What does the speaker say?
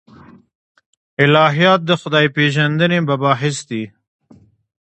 الهیات د خدای پېژندنې مباحث دي.